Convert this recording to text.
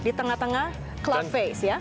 di tengah tengah club face ya